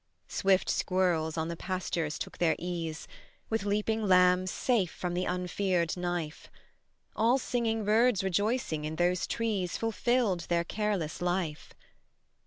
Swift squirrels on the pastures took their ease, With leaping lambs safe from the unfeared knife; All singing birds rejoicing in those trees Fulfilled their careless life.